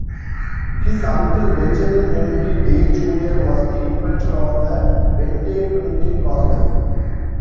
His uncle, Benjamin Henry Day, Junior was the inventor of the Benday printing process.